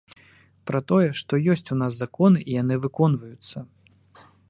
Пра тое, то ёсць у нас законы і яны выконваюцца.